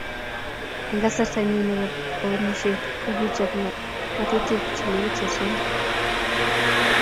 eng kasarta nyin nebo bounishet kokichop ngatutik chelegit sosom